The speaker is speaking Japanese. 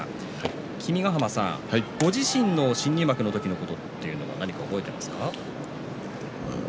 君ヶ濱さん、ご自身の新入幕の時のことって何か覚えていますか？